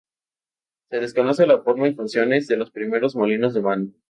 Se desconoce la forma, y funciones, de los primeros molinos de mano.